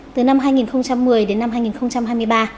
từ năm hai nghìn một mươi đến năm hai nghìn hai mươi ba